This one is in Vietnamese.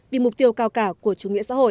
vì mục tiêu cao cả của chủ nghĩa xã hội